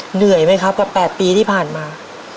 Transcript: เหนื่อยไหมครับกับ๘ปีที่ผ่านมา